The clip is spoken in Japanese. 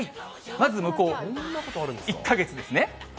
まず向こう１か月ですね。